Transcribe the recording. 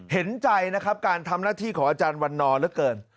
เห็นใจนะครับการทำหน้าที่ของอาจารย์วันนอเหลือเกิน